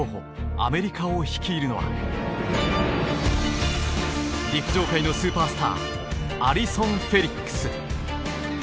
アメリカを率いるのは陸上界のスーパースターアリソン・フェリックス。